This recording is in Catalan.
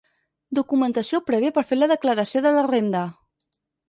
Documentació prèvia per fer la declaració de la renda.